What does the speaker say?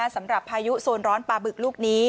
สำหรับพายุโซนร้อนปลาบึกลูกนี้